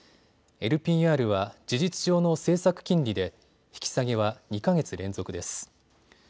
ＬＰＲは事実上の政策金利で引き下げは２か月連続です。